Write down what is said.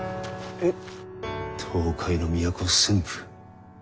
えっ！？